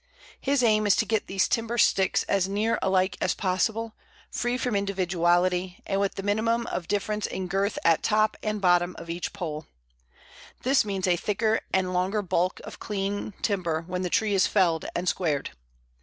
His aim is to get these timber sticks as near alike as possible, free from individuality, and with the minimum of difference in girth at top and bottom of each pole. This means a thicker and longer balk of clean timber when the tree is felled and squared.